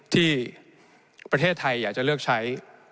ที่ประเทศไทยอยากจะเลือกใช้